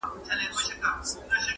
حقيقت لا هم نيمګړی ښکاري ډېر,